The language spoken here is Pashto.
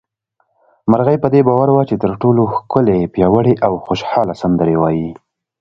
مرغۍ په دې باور وه چې تر ټولو ښکلې، پياوړې او خوشحاله سندرې وايي